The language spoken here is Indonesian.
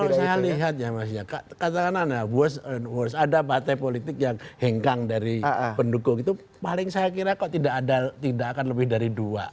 kalau saya lihat ya mas ya katakanlah worst ada partai politik yang hengkang dari pendukung itu paling saya kira kok tidak akan lebih dari dua